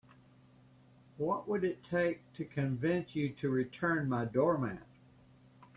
What would it take to convince you to return my doormat?